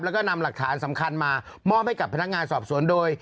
แล้วก็นำหลักฐานสำคัญมามอบให้กับพนักงานสอบสวนโดย